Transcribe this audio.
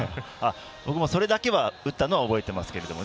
僕もそれだけは打ったのは覚えてますけどね。